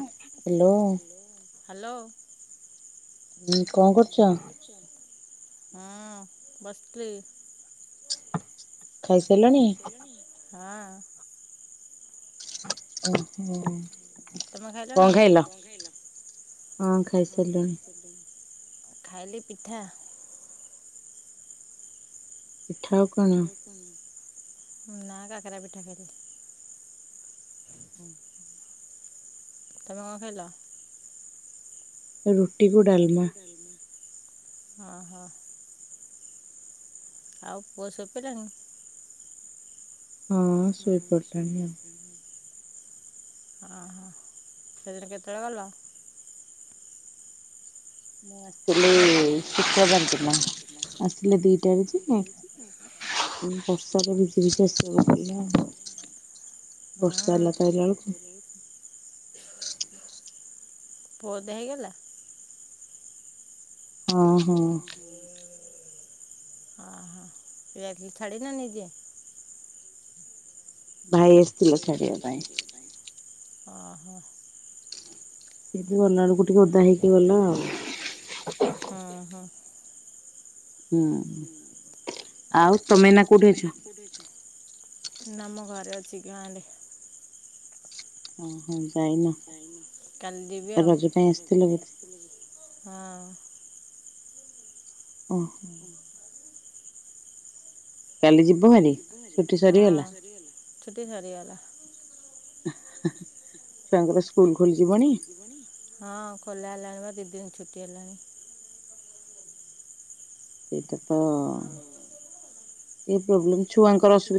Hello hello ହଁ କଣ କରୁଛ ହଁ ବସ୍ଲି ଖାଇସାରିଲାଣି ହଁ ହ ଓୋ କଣ ଖାଇଲ ହଁ ଖାଇସାରିଲୁଣି ଖାଇଲି ପିଠା ପିଠା କଣ ନ କକରା ପିଠା ଖାଇଥିଲି ହ ତମେ କଣ ଖାଇଲା ରୁଟିକୁ ଡାଲମା ଓ ହୋ ଆଉ ପୁଅ ସୋଇପଡିଲାନି ହଁ ଶୋଇ ପଡିଲେଣି ଆ। ଓ ହୋ ସେଦିନ କେତେବେଳେ ଗଲ? ବସ୍ ହଁ। ପୁଅ ଓଦା ହେଇଗଲା। ହଁ ହଁ। ହ ହ [unintelligible] ଛାଡିଲାନି କି। ଭାଇ ଆସିଥିଲେ ଛାଡ଼ିବା ପାଇଁ। ଓହୋ। ହଁ ହଁ। ହୁଁ ଆଉ ତମେ ନା କୋଉଠି ଅଛ? ନା ମୋ ଘରେ ଅଛି ଗାଁ ରେ। ହଁ। କାଲି ଯିବି ଆଉ ହଁ। ଓହୋ। ହଁ ଛୁଟି ସରିଗଲା। ହଁ ଖୋଲାହେଲାଣି ବା ଦି ଦିନ ଛୁଟି ହେଲାଣି। ସେଇଟା ହ-ଅ-ଅ ହଁ।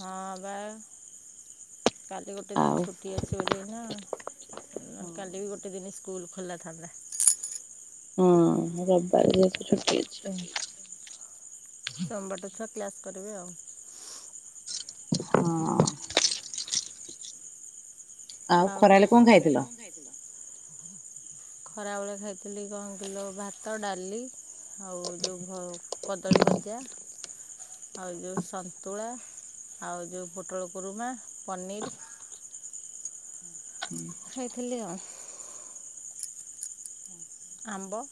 ହଁ ବା କାଲି ଗୋଟେ ଦିନ ଛୁଟି ଅଛି ବୋଲି ନା। ନହେଲେ କାଲି ବି ଗୋଟେ ଦିନ ସ୍କୁଲ ଖୋଲା ଥାଆନ୍ତା। ହଁ ରବିବାର ଯେହେତୁ ଛୁଟି ଅଛି ଆଉ। କ୍ଲାସ୍ କରିବେ ଆଉ। ହଁ-ଅ-ଅ। ଆଉ ଖରାବେଳେ ଖାଇଥିଲି କଣ କିଲୋ ଭାତ, ଡାଲି, ଆଉ ଯେଉଁ ଭ କଦଳୀ ଭଜା, ଆଉ ଯେଉଁ ସନ୍ତୁଳା, ଆଉ ଯେଉଁ ପୋଟଳ କୁରୁମା, ପନିର ହୁଁ। ଖାଇଥିଲି ଆ ଆମ୍ବ।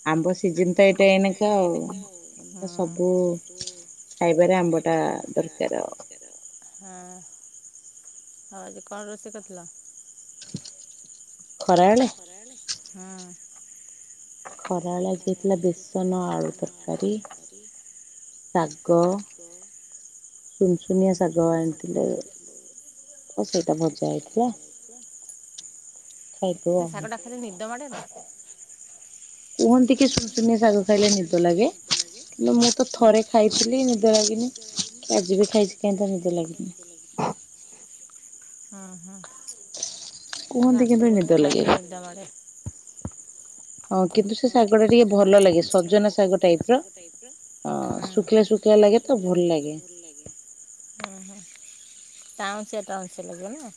ହଁ। ହଁ, ଆଉ ଆଜି କଣ ରୋଷେଇ‌ କରଥିଲ? ହଁ ଖରାବେଳେ ଆଜି ହେଇଥିଲା ବେସନ ଆଳୁ ତରକାରୀ ଶାଗ ସେ ଶାଗଟା ଖାଇଲେ ନିଦ ମାଡ଼େ ନା? କୁହନ୍ତିକି ସୁନସୁନିଆ ଶାଗ ଖାଇଲେ ନିଦ ଲାଗେ, କିନ୍ତୁ ମୁଁ ତ ଥରେ ଖାଇଥିଲି ନିଦ ଲାଗିନି କି ଆଜି ବି ଖାଇଛି କାଇଁ ତ ନିଦ ଲାଗିନି। ହଁ ହଁ। ମୋ ଶାଶୁ କହନ୍ତି ଖାଇଲେ ନିଦ ମାଡେ। ହଁ କିନ୍ତୁ ସେ ଶାଗଟା ଟିକେ ଭଲ ଲାଗେ ସଜନା ଶାଗ ଟାଇପର ଶୁଖିଲା ଶୁଖିଲା ଲାଗେ ତ ଭଲ ଲାଗେ। ଟାଉଁସିଆ ଟାଉଁସିଆ ଲାଗେ ନା?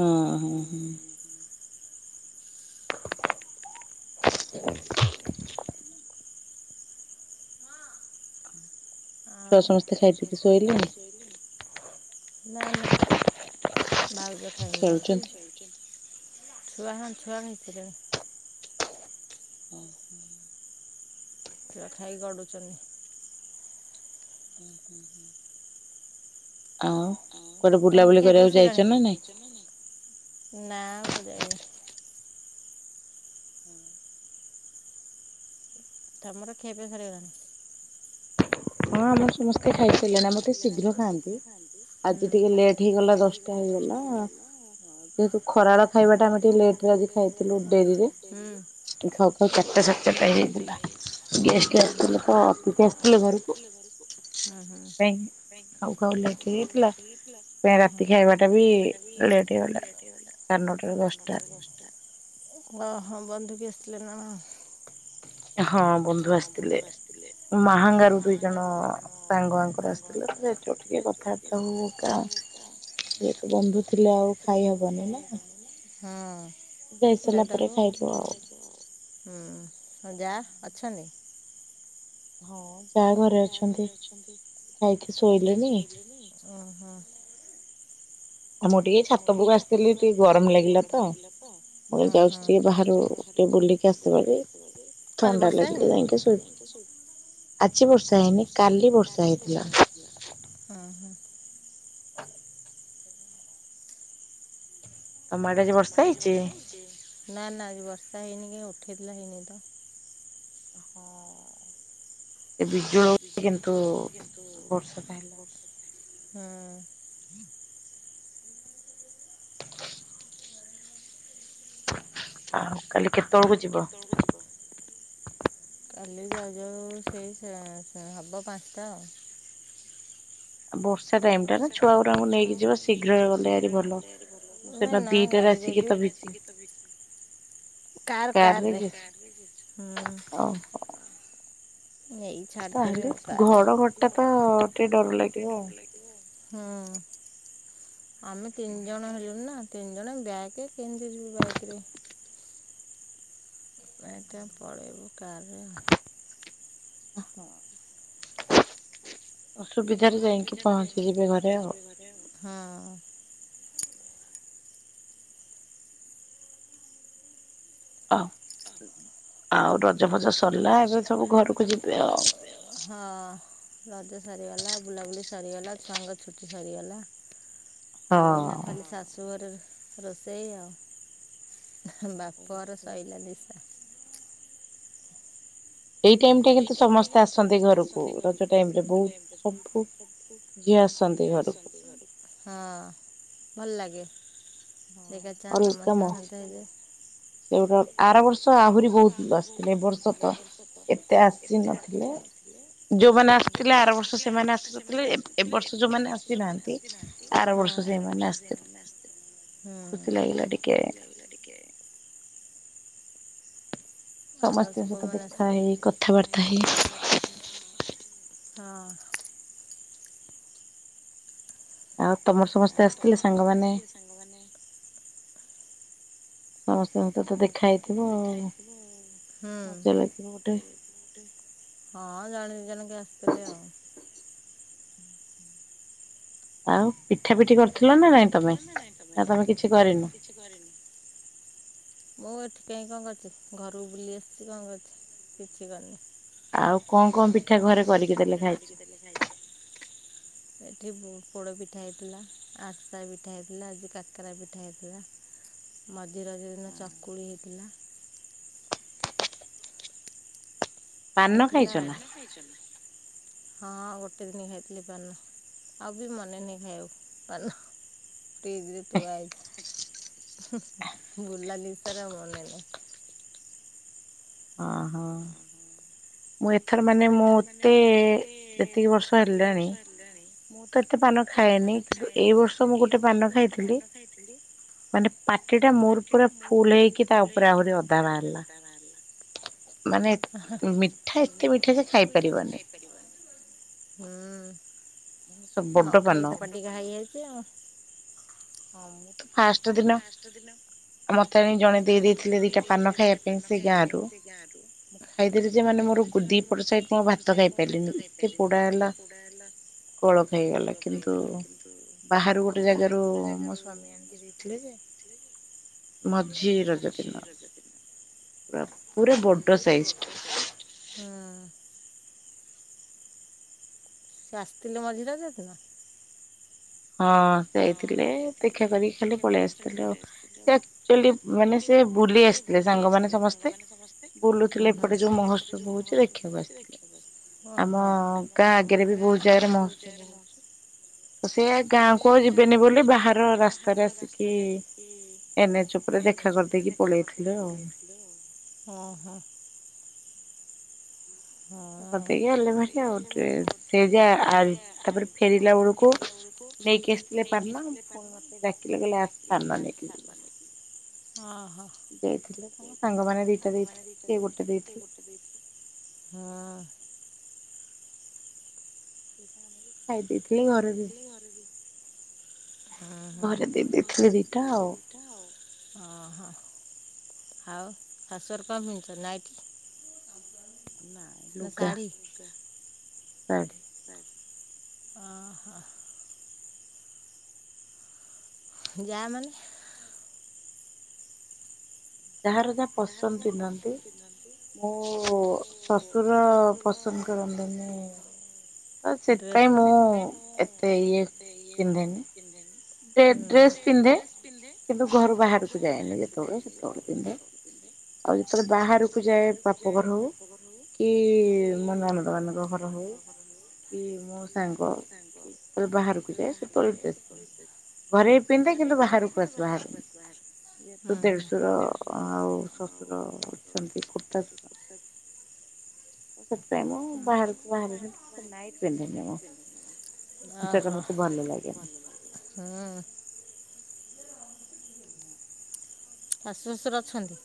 ହଁ ହଁ ହୁଁ। ଆଉ ଛୁଆ ସମସ୍ତେ ଖାଇ ପିଇକି ଶୋଇଲେଣି? ନା ନା। ଭାଉଜ ଖାଇନାହାନ୍ତି ଶୋଇଛନ୍ତି। ଛୁଆ ହଁ ଛୁଆ ଖାଇସାରିଲେଣି। ହୁଁ ହୁଁ। ଛୁଆ ଖାଇ ଗଡୁଛନ୍ତି। ହୁଁ ହୁଁ ହୁଁ। ଆଉ ତମର‌ ଖିଆପିଆ ସଇଲାଣି? ନା ଆଉ କୁଆଡ଼େ ଯାଇନି। ତମର ଖିଆପିଆ ସରିଗଲାଣି? ହଁ ମ। ସମସ୍ତେ ଖାଇସାରିଲେଣି ଆମର ଟିକେ ଶୀଘ୍ର ଖାଆନ୍ତି ଆଜି ଟିକେ ଲେଟ୍ ହେଇଗଲା ଦଶଟା ହେଇଗଲା ଯେହେତୁ ଖରାଳ ଖାଇବାଟା ଆମେ ଟିକେ ଲେଟରେ ଆଜି ଖାଇଥିଲୁ ଡେରିରେ, ଖାଉଖାଉ ଚାରିଟା ସାଢେ‌ଚାରିଟା ହେଇଯାଇଥିଲା ଗେଷ୍ଟ ଆସିଥିଲେ ତ ଅତିଥି ଆସିଥିଲେ ଘରକୁ। ହୁଁ ହୁଁ, ହୁଁ ହୁଁ, ହଁ ହଁ ବନ୍ଧୁ ବି ଆସ୍ ଥିଲେ ନାଆ ନାଆ। ହଁ ବନ୍ଧୁ ଆସିଥିଲେ, ମାହାଙ୍ଗାରୁ ଦୁଇ ଜଣ ସାଙ୍ଗ ‌ଆଙ୍କର ଆସିଥିଲେ, [unintelligible] ଟିକେ କଥାବାର୍ତ୍ତା ହଉ ହଉକା ଯେହେତୁ ବନ୍ଧୁ ଥିଲେ, ଆଉ ଖାଇହବନି ନା। ହଁ ଲେଟ୍ ହେବ, ହୁଁ ଆଉ ଯାଆ। [unintelligible] ଓହୋଃ। ହଁ ହଁ, ଆଜି ବର୍ଷା ହେଇନି? ହଁ ହଁ। ତମ ଆଡେ ଆଜି ବର୍ଷା ହେଇଛି? ନା ନା ଆଜି ବର୍ଷା ହେଇନି କାହି ଉଠାଇଥିଲା ହେଇନି ତ। ସେ ବିଜୁଳ କିନ୍ତୁ ବର୍ଷାଟା ହେଲାନି। ହଁ [unintelligible] ହୁଁ [unintelligible] ଆଉ କାଲି କେ କାଲି କେତେବେଳକୁ ଯିବ। କାଲି ଯାଉ ଯାଉ ସେଇ ହବ ପାଞ୍ଚଟା ଆଉ। ବର୍ଷା ଟାଇମ୍ ଟା ନା ଚୁଆ ଗୁଡାକୁ ନାଇକି ଯିବା ଶୀଘ୍ର [unintelligible] ନା ଗାଡି କାର କର ରେ ଏ ଛାଡିଦବେ ଆଉ କାରରେ [unintelligible] ଘଡ ଘଡି ଟା ତ ଟିକେ ଡର ଲାଗିବ ହଁୁ ଆମେ ତିନି ଜଣ ହେଲୁ ନା। ତିନି ଜଣ ବ୍ୟାଗ କିନ୍ତୁ ଯିବୁ ବାଇକି ରେ। ଏଟା ପଳେଇବୁ କା୍ର [unintelligible] ହଁ [inaudible] ସୁବିଧାରେ ଯାଇକି ପହଞ୍ଚିିଯିବି ଘରେ ଆଉ ହଁ। ହ ହଟ [unintelligible] ହଁ ରଜ ଫଜ ସରିଲା ଏବେ ସବୁ ଘରକୁ ଯିବେ ଆଉ ହ ରଜ ସରିଗଲା ସରିଗଲା ବୁଲାବୁଲି ସରିଗଲା ଛୁଆଙ୍କ ଛୁଟି ସରିଗଲା। ଆଉ ଏଇନା ଖାଲି ସାସୁ ଘର ରୋଷେଇ ଆଉ। ବାପଘର ଶଇଲା ନିଶା ଏଇ ଟାଇମ ଟା କିନ୍ତୁ ସମସ୍ତେ ଆସନ୍ତି ଘରକୁ ରଜ ଟାଇମ ସବୁ ଝିଅ ଆସନ୍ତି ଘରକୁ। ହଁ ଭଲ ଲାଗେ ଜଖା ଚା ହ ମାଶା ହ ଦେଇରେ [unintelligible] ସେଗୁଡା ଆର ବର୍ଷ ଆହୁରି ବହୁତ ଆସିଥିଲେ ଏ ବର୍ଷ ତ ଏତେ ଆସି ନଥିଲେ ଯୋଉମାନେ ଆସିଥିଲେ ଆର ବର୍ଷ ସେମାନେ ଆସିନଥିଲେ। ଏ ବର୍ଷ ଯୋଉମାନେ ଆସିନାହାନ୍ତି ହଁ ଆର ବର୍ଷ ସେମାନେ ଆସିଥିଲେ। ହଁ ଖୁସି ଲାଗିଲା ଟିକେ। ଆ ଆସ ମାନେ ସେ କଥାାର୍ [unintelligible] ହଁ। ଆଉ ତମର ସମସ୍ତେ ଆସିଥିଲେ ସାଙ୍ଗମାନେ [inaudible] ହଁ ଜଣେ ଦିଜଣ କିଏ ଆସିଥିଲେ ଆଉ ଆଉ ପିଠା ପିଠି କରିଥିଲ ନା ନାଇଁ ତମେ ନା ତମେ କିଛି କରିନ? ମୁଁ ଏଠି କାଇ କଣ କରିଥିଲି। ଘରକୁ ବୁଲି ଆସିଛି, କଣ କରିଛି କିଛି କରିନି। ଆଉ କଣ କଣ ପିଠା ଘରେ କରିକି ଦେଲେ ଖାଇଛ ଏି ପ ପିଠା ହେଇଥିଲା ଆସ୍ତା ପିଠା ହେଇଥିଲା ଆଜି କାକରା ପିଠା ହେଇଥିଲା ମଝିରେ ଯେ ଦିନ ଚକୁଳି ହେଇଥିଲା ହେଇଥିଲା ହଁ ଗୋଟେ ଦିନ ଖାଇଥିଲି ପାନ ଆଉ ବି ମନେ ନାହିଁ ଖାଇବ ପାନ ଫ୍ରିଜ ଋ ତୁ ଆଜ ଭୁଲଲାଲିି ସାରା ମନେ ନହି ଆଉ ହ ମୁଁ ଏଥର ମାନେ ମୁଁ ମତେ ଯେତିକି ବର୍ଷ ହେଲାଣି ମୁତ ବେଶି ପାନ ଖାଏନି ଏ ବର୍ଷ ମୁଁ ଗୋଟେ ପାନ ଖାଇଥିଲି ମାନେ ପାଟି ଟା ମୋର ପୁରା ଫୁଲହେଇକ ତା ଉପରେ ଆହୁରି ଅଧା ବାହାରିଲା ମାନେ ତୁ ହେ ଏତେ ହୁଁ। ନ ଖାଇକି ତ ପାଟି ଘା ହେଇଯାଇଚି ଆଉ। ହଁ ଫାସ୍ ଫାଷ୍ଟେ ଦିନ ମତେ ଜଣେ ଦେଇ ଦେଇଥିଲେ ଦିଟା ପାନ ଖାଇବା ପାଇଁ ସେଇ ଗାଁରୁ ଖାଇଦେଲି ଯେ ମାନେ ମୋର ଦିପଟ ସାଇଡ ମୁଁ ଭାତ ଖାଇପାରିଲିନି ଏତେ ପୋଡ଼ା ହେଲା। କଳ ଖାଇଗଲା କିନ୍ତୁ ବାହାରୁ ଗୋଟେ ଜାଗାରୁ ମୋ ସ୍ଵାମୀ ଆଣିକି ଦେଇଥିଲେ ଯେ ହୁଁ। ସେ ଆସିଥିଲେ ମଝି ରଜ ଦିନ? ହୁଁ ହୁଁ। ଅହ ହଁ ହଁ। ତ କରଦେଇକି ଆଲେ ଭରି ଆଉ। ଟ୍ରେ ସେ ଯା ଆରି ତାପରେ ଫେରିଲା ଅଳୁକୁ ନେଇକି ଆସିଥିଲେ ପାନ ପୁଣି ମତେ ଡାକିଲେ କଲେ ଆସ ପାନ ନେଇକି ଯିବୁ। ଯାଇଥିଲେ ତାଙ୍କ ସାଙ୍ଗମାନେ ଦିଟା ଦେଇଥିଲେ ସିଏ ଗୋଟେ ଦେଇଥିଲେ। ହଁ। ପିଠା ଆଣିକି ହଁ ହଁ। ଅଁ ହଁ। ଆଉ ଶାଶୁହରେ କଁ ପିନଚ ନାଇଟ୍ ନାଁ ଲୁଗା। ଶାଢ଼ୀ। ଅଁ ହଁ। ଯାମାନେ? ଯାହାର ଯାହା ପସନ୍ଦ ପିନ୍ଧନ୍ତି ମୋ ଶଶୁର ପସନ୍ଦ କରନ୍ତିନି ତ ସେଇଥିପାଇଁ ମୁଁ ଏତେ ଇଏ ପିନ୍ଧେନି। ଦେ ଡ୍ରେସ୍ ପିନ୍ଧେ କିନ୍ତୁ ଘରୁ ବାହାରୁକୁ ଯାଏନି ଯେତୋଳେ ସେତୋଳେ ପିନ୍ଧେ। ଆଉ ଯେତୋଳେ ବାହାରକୁ ଯାଏ ପାପ ଘର ହୋଉ କି ମୋ ନଣନ୍ଦମାନଙ୍କ ଘର ହଉ କି ମୋ ସାଙ୍ଗ କି ତୋଳେ ବାହାରକୁ ଯାଏ ସେତୋଳେ ଡ୍ରେସ୍ ପିନ୍ଧେ। ଘରେ ପିନ୍ଧେ କିନ୍ତୁ ବାହାରୁକୁ ଆସ ବାହାରେନି ଯେହେତୁ ଦେଢଶୁର ଅ ଆଉ ଶଶୁର ଅଛନ୍ତି ଖୁଡ଼ତାଶୁର ଅ ହ। ହୁଁ। ହୁଁ। ଶାଶୁ ଶଶୁର ଅଛନ୍ତି?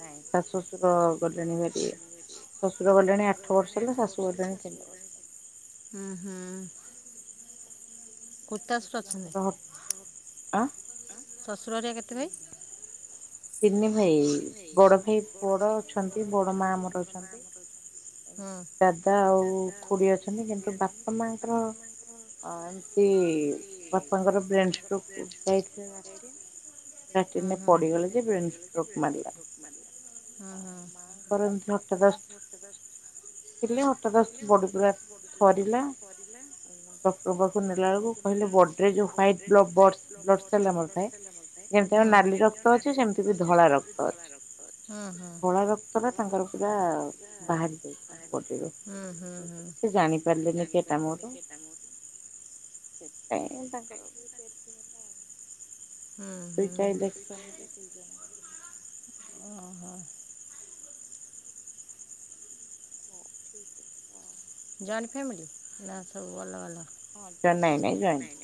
ନାଇଁ। ଉଁ ହୁଁ। [unintelligible] ଶ୍ୱଶୁରଘରିଆ କେତେ ଭାଇ? ତିନି ଭାଇ ବଡ ଭାଇ ବଡ ଅଛନ୍ତି। ବଡ ମା ଆମର ଅଛନ୍ତି। ଦାଦା ଆଉ ଖୁଡି ଅଛନ୍ତି। କିନ୍ତୁ ବାପା ମାଙ୍କର ଏମିତି ବାପାଙ୍କର ବ୍ରୈନ୍ ସ୍ତୋଚ୍କ୍ ଯାଇଥିଲେ ଲା -ଲାଟିନରେ ପଡିଗଲେ। ହିଲଲା ବଳକୁ କହିଲ [unintelligible] କି ସେମିତି ଵି ଧଳା ରକ୍ତ ଅଛି। ଧଳା ରକ୍ତଟା ତାଙ୍କର ପୁରା ବାହାରି ସେ ଜାଣିପାରିଲେନି କେଏଟା [unintelligible] ହୁଁ ହୁଁ। ହୋଇ ଜ ବଲ [unintelligible] ହଉ ଠିକ ଅଛି। ଜୋଇନ୍ତ୍ ଫାମିଲି ନା ସବୁ ଅଲଗା ଅଲଗା?